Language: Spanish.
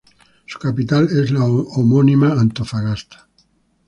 Su capital es la homónima Antofagasta.